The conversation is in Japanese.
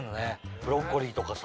ブロッコリーとかさ。